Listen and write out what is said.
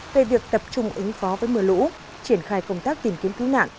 về việc tập trung ứng phó với mưa lũ triển khai công tác tìm kiếm cứu nạn